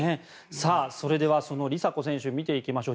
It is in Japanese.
それでは梨紗子選手、見ていきましょう。